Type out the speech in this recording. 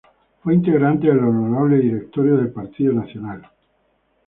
Fue integrante del Honorable Directorio del Partido Nacional.